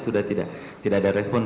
sudah tidak ada respon